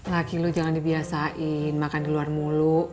laki lu jangan dibiasain makan di luar mulu